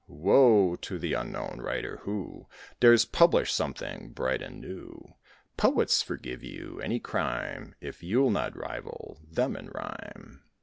Woe to the unknown writer who Dares publish something bright and new! Poets forgive you any crime, If you'll not rival them in rhyme.